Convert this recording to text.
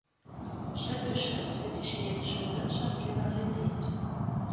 Schritt für Schritt wird die chinesische Wirtschaft liberalisiert.